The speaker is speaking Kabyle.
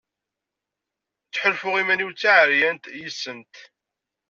Ttḥulfuɣ iman-iw d taɛeryant yis-sent.